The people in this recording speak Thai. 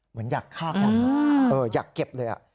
เหมือนอยากฆ่าคนอยากเก็บเลย